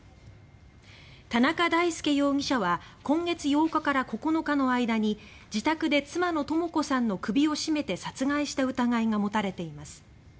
田中大介容疑者は今月８日から９日の間に自宅で妻の智子さんの首を絞めて殺害した疑いが持たれています。